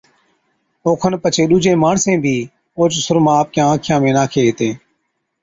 اوکن پڇي ڏُوجين ماڻسين بِي اوھچ سُرما آپڪِيان آنکِيان ۾ ناکين ھِتين